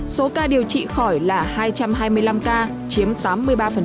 số ca điều trị khỏi là hai trăm hai mươi năm ca chiếm tám mươi ba